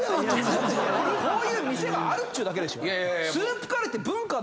これこういう店があるっちゅうだけでしょ？